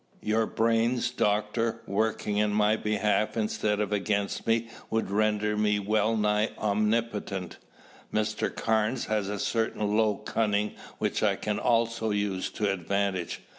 Your brains, Doctor, working in my behalf instead of against me would render me well nigh omnipotent. Mr. Carnes has a certain low cunning which I can also use to advantage.